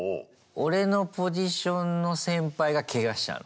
俺のポジションの先輩がケガしたの。